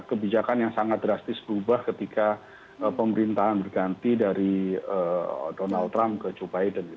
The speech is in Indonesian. kebijakan yang sangat drastis berubah ketika pemerintahan berganti dari donald trump ke joe biden